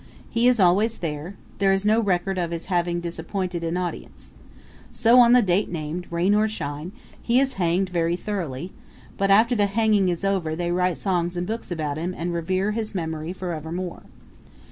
He is always there; there is no record of his having disappointed an audience. So, on the date named, rain or shine, he is hanged very thoroughly; but after the hanging is over they write songs and books about him and revere his memory forevermore.